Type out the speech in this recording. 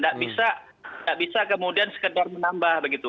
tidak bisa kemudian sekedar menambah begitu